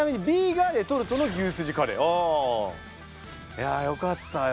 いやよかったよ。